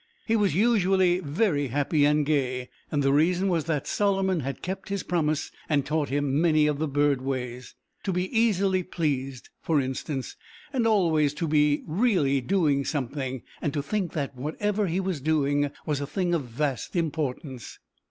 He was usually very happy and gay, and the reason was that Solomon had kept his promise and taught him many of the bird ways. To be easily pleased, for instance, and always to be really doing something, and to think that whatever he was doing was a thing of vast importance.